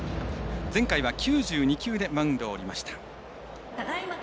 前回は９２球でマウンドを降りました。